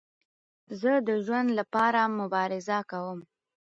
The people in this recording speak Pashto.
زه د ژوند له پاره مبارزه کوم.